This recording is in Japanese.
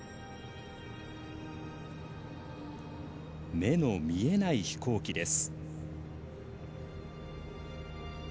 目の見えない飛行機です。